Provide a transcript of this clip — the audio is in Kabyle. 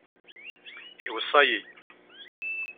Iweṣṣa-yi.